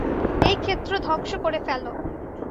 এই ক্ষেত্র ধ্বংস করে ফেলো।